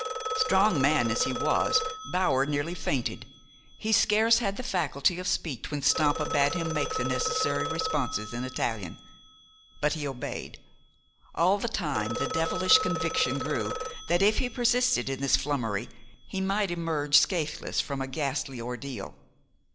Strong man as he was, Bower nearly fainted. He scarce had the faculty of speech when Stampa bade him make the necessary responses in Italian. But he obeyed. All the time the devilish conviction grew that if he persisted in this flummery he might emerge scatheless from a ghastly ordeal.